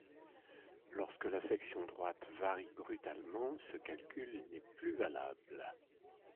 Lorsque la section droite varie brutalement, ce calcul n'est plus valable.